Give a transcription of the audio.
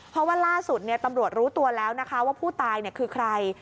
เพราะว่าล่าสุดตำรวจรู้ตัวแล้วนะคะว่าผู้ตายคือใคร